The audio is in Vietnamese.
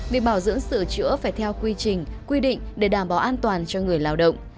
việc bảo dưỡng sửa chữa phải theo quy trình quy định để đảm bảo an toàn cho người lao động